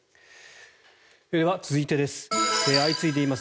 では、続いてです。